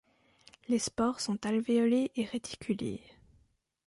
Les spores sont alvéolées et réticulées.